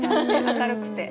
明るくて。